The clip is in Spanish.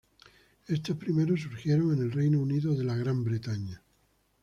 Estos primeros surgieron en el Reino Unido.